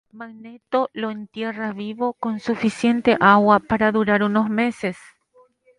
Magneto lo entierra vivo con suficiente agua para durar unos meses.